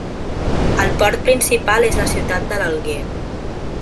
El port principal és la ciutat de l'Alguer.